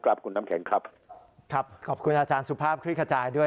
ครับคุณน้ำแข็งครับครับขอบคุณอาจารย์สุภาพคลิกขจายด้วย